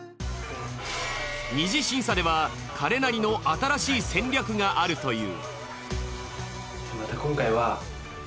二次審査では彼なりの新しい戦略があるという。